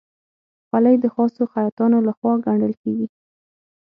خولۍ د خاصو خیاطانو لهخوا ګنډل کېږي.